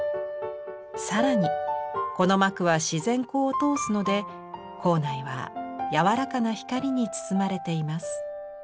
更にこの膜は自然光を通すので構内はやわらかな光に包まれています。